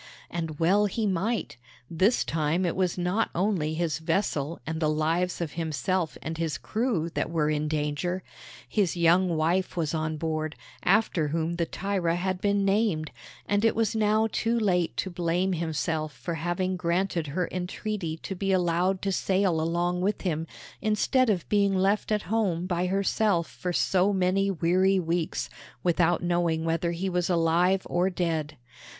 And well he might. This time it was not only his vessel and the lives of himself and his crew that were in danger: his young wife was on board, after whom the Thyra had been named, and it was now too late to blame himself for having granted her entreaty to be allowed to sail along with him, instead of being left at home by herself for so many weary weeks, without knowing whether he was alive or dead.